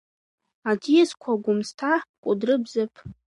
Аӡиасқәа Гәымсҭа, Кәыдры, Бзыԥ…